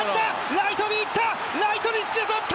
ライトにいった！